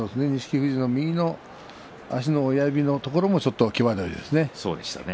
富士の右の親指のところもちょっと際どいですね。